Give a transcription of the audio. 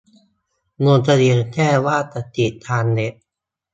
ลงทะเบียนแจ้งว่าจะฉีดทางเว็บ